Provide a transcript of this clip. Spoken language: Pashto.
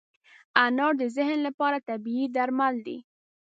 انار د ذهن لپاره طبیعي درمل دی.